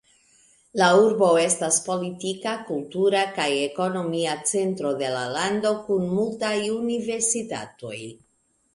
La urbo estas politika, kultura kaj ekonomia centro de la lando kun multaj universitatoj.